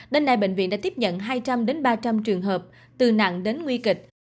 đến nay bệnh viện đã tiếp nhận hai trăm linh ba trăm linh trường hợp từ nặng đến nguy kịch